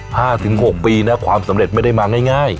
ห้าถึงหกปีนะความสำเร็จไม่ได้มาง่ายง่าย